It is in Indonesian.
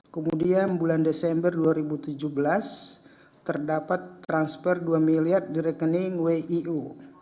kemudian bulan desember dua ribu tujuh belas terdapat transfer dua miliar di rekening wiu